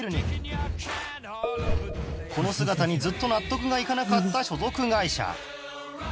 この姿にずっと納得がいかなかった所属会社